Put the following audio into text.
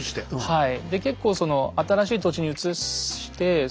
はい。